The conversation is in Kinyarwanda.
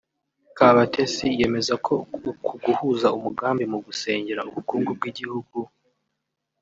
Kabatesi yemeza ko uku guhuza umugambi mu gusengera ubukungu bw’igihugu